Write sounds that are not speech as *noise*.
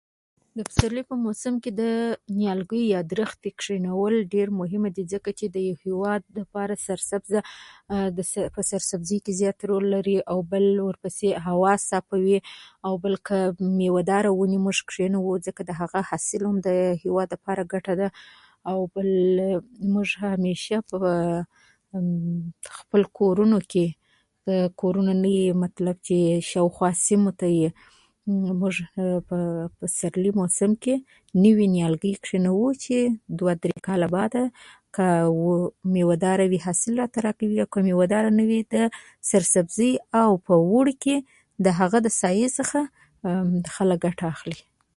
د پسرلي په موسم کې د نیالګیو یا درختې کېنول ډېر مهم دي، ځکه چې د هېواد لپاره سرسبزه، داسې په سرسبزۍ کې زیات رول لري، او بل ورپسې هوا صافوي. او بل، مېوه دارې ونې موږ کېنوو، ځکه د هغه حاصل هم د هېواد لپاره ګټور دی. او بل، موږ همېشه خپل کورونو کې، په کورونو نه وي مطلب، په شاوخوا سیمو کې *hesitation* په سیمو کې *hesitation* موږ پسرلي موسم کې نوي نیالګي کېنوو، چې دوه درې کاله بعد مېوه داره وي، حاصل راته راکوي. او که مېوه داره نه وي، سرسبزي او په اوړي کې د هغه د سیوري څخه خلک ګټه اخلي.